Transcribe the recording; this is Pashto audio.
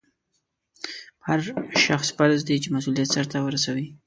په هر شخص فرض دی چې مسؤلیت سرته ورسوي.